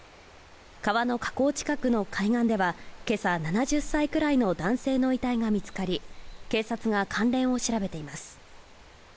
川の河口近くの海岸では今朝、７０歳くらいの男性の遺体が見つかり、警察が関連を調べています。